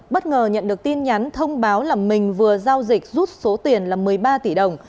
bất ngờ nhận được tin nhắn thông báo là mình vừa giao dịch rút số tiền là một mươi ba tỷ đồng